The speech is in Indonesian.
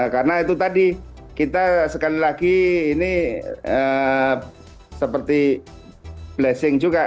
karena itu tadi kita sekali lagi ini seperti blessing juga